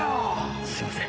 すみません。